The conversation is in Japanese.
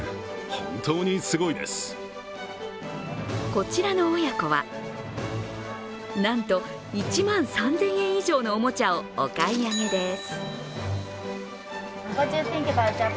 こちらの親子は、なんと１万３０００円以上のおもちゃをお買い上げです。